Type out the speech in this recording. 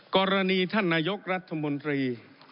กรณีท่านนายกรัฐมนตรี